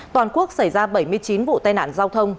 toàn quốc xảy ra bảy mươi chín vụ tai nạn giao thông